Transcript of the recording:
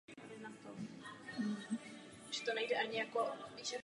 U slezské větve je příznačné bohaté zdobení otisky šňůry.